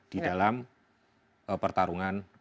di dalam pertarungan